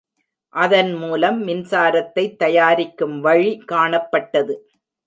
அதன் மூலம் மின்சாரத்தைத் தயாரிக்கும் வழி காணப்பட்டது.